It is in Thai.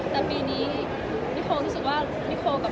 แต่ปีนี้นิโคร์รู้สึกว่า